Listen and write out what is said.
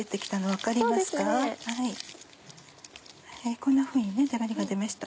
こんなふうに粘りが出ました。